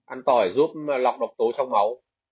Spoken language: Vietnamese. ăn tỏi giúp lọc độc tố trong máu